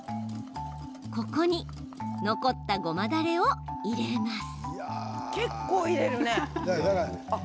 ここに残ったごまだれを入れます。